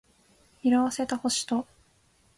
色褪せた星と